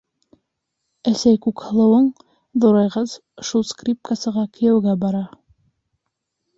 Әсәй, Күкһылыуың... ҙурайғас, шул скрипкасыға кейәүгә бара.